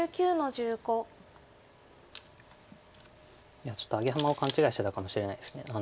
いやちょっとアゲハマを勘違いしてたかもしれないです。